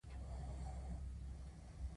د کسبګرانو لږ تولید د بازار اړتیا نه پوره کوله.